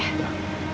sehatlah dulu ya